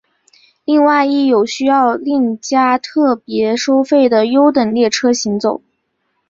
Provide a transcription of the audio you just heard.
另外亦有需要另加特别收费的优等列车行走。